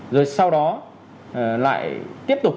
rồi sau đó lại tiếp tục